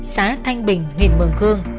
xã thanh bình huyện mường khương